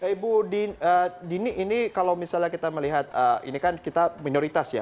ibu dini ini kalau misalnya kita melihat ini kan kita minoritas ya